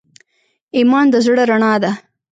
ایمان د زړه رڼا ده.